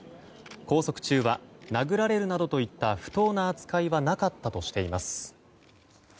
拘束中は殴られるなどといった不当な扱いはなかったとしています。